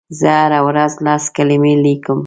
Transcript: زه هره ورځ لس کلمې لیکم.